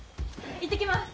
行ってきます！